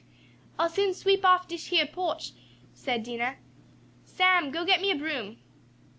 "I'll soon sweep off dish yeah porch," said Dinah. "Sam, yo' git me a broom."